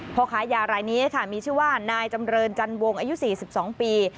พ่อค้ายารายนี้ค่ะมีชื่อว่านายจำเรินจันวงอายุ๔๒ปี